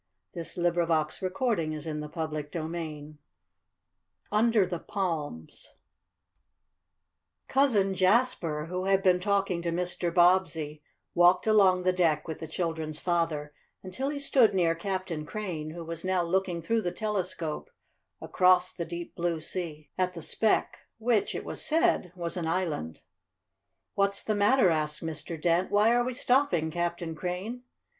This was bad news to the Bobbsey twins. CHAPTER XVI UNDER THE PALMS Cousin Jasper, who had been talking to Mr. Bobbsey, walked along the deck with the children's father until he stood near Captain Crane, who was now looking through the telescope, across the deep, blue sea, at the speck which, it was said, was an island. "What's the matter?" asked Mr. Dent. "Why are we stopping, Captain Crane?"